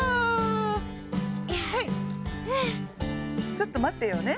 ちょっとまってようね。